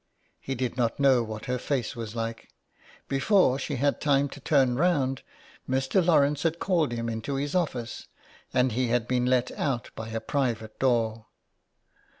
He did not know what her face was like. Before she had time to turn round, Mr. Lawrence had called him into his office, and he had been let out by a private door.